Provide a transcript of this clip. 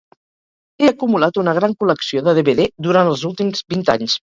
He acumulat una gran col·lecció de DVD durant els últims vint anys.